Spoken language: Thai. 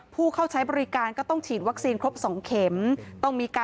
ผู้เข้าใช้บริการก็ต้องฉีดวัคซีนครบ๒เข็ม